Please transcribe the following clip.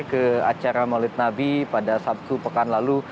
ke acara maulid nabi pada sabtu pekan lalu